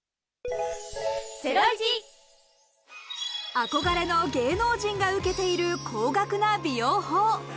憧れの芸能人が受けている高額な美容法。